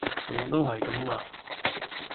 我都係咁話